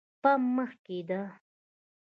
پمپ مخکې ده